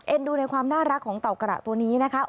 ดูในความน่ารักของเต่ากระตัวนี้นะคะ